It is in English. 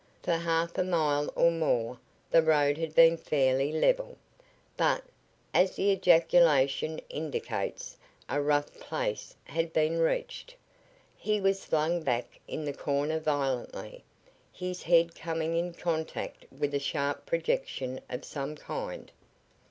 For half a mile or more the road had been fairly level, but, as the ejaculation indicates, a rough place had been reached. He was flung back in the corner violently, his head coming in contact with a sharp projection of some kind.